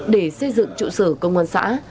để xây dựng trụ sở công an xã